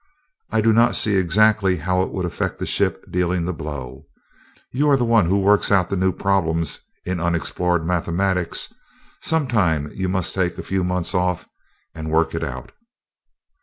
I do not see exactly how it would affect the ship dealing the blow. You are the one who works out the new problems in unexplored mathematics some time you must take a few months off and work it out."